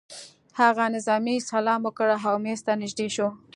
هغه نظامي سلام وکړ او مېز ته نږدې شو